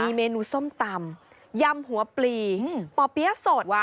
มีเมนูส้มตำยำหัวปลีป่อเปี๊ยะสดว่ะ